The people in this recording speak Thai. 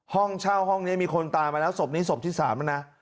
ห้องเช่าห้องนี้มีคนตายมาแล้วศพนี้ศพที่๓แล้วนะ